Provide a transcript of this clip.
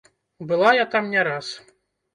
Была я там не раз.